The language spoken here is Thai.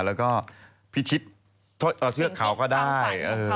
แล้วก็พิชิตเอาเสื้อเขาก็ได้